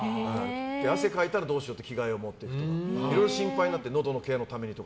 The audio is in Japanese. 汗かいたらどうしようって着替えを持っていくとかいろいろ心配になってのどのケアのために。